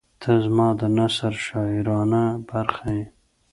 • ته زما د نثر شاعرانه برخه یې.